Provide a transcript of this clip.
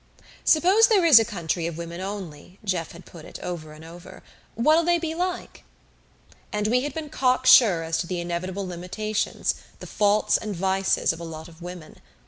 "Suppose there is a country of women only," Jeff had put it, over and over. "What'll they be like?" And we had been cocksure as to the inevitable limitations, the faults and vices, of a lot of women.